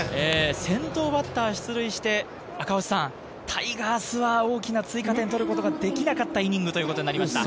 先頭バッターが出塁して、タイガースは大きな追加点を取ることができなかったイニングということになりました。